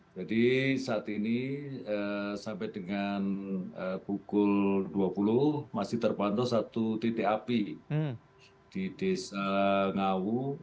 jadi saat ini sampai dengan pukul dua puluh masih terpantau satu titik api di desa ngawu